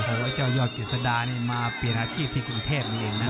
โหไอ้เจ้ายอดกฤษฎานี่มาเปลี่ยนอาชีพที่กรุงเทพเองนะ